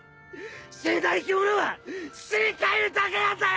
死んだ生き物は土に返るだけなんだよ！！